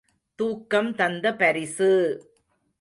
தூக்கம் தந்த பரிசு!